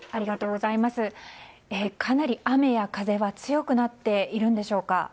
かなり雨や風が強くなっているんでしょうか。